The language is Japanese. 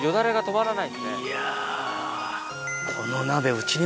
いや。